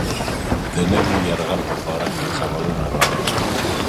د نوي یرغل په باره کې خبرونه راغلل.